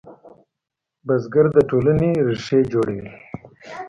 بزګر د ټولنې ریښې جوړوي